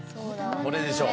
これでしょう。